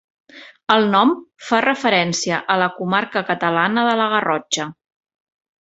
El nom fa referència a la comarca catalana de la Garrotxa.